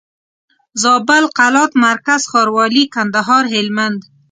زابل قلات مرکز ښاروالي کندهار هلمند